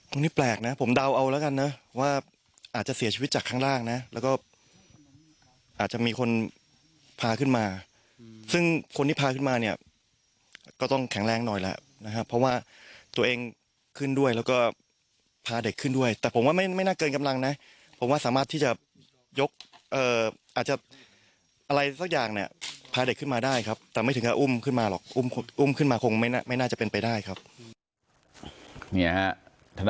ตรงนี้แปลกนะผมเดาเอาแล้วกันนะว่าอาจจะเสียชีวิตจากข้างล่างนะแล้วก็อาจจะมีคนพาขึ้นมาซึ่งคนที่พาขึ้นมาเนี่ยก็ต้องแข็งแรงหน่อยแล้วนะครับเพราะว่าตัวเองขึ้นด้วยแล้วก็พาเด็กขึ้นด้วยแต่ผมว่าไม่น่าเกินกำลังนะผมว่าสามารถที่จะยกอาจจะอะไรสักอย่างเนี่ยพาเด็กขึ้นมาได้ครับแต่ไม่ถึงกับอุ้มขึ้นมาหรอกอุ้มขึ้นมาคงไม่น่าจะเป็นไปได้ครับ